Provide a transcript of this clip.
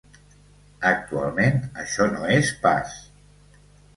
Actualment això no és pas.